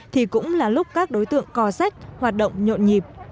thì cũng là lúc các đối tượng co sách hoạt động nhộn nhịp